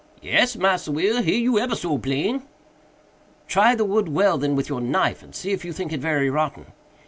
"Yes, Massa Will, hear you ebber so plain." "Try the wood well, then, with your knife, and see if you think it very rotten."